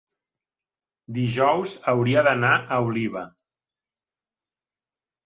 Dijous hauria d'anar a Oliva.